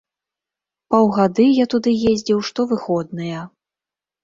Паўгады я туды ездзіў штовыходныя.